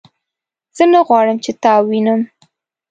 زه نه غواړم چې تا ووینم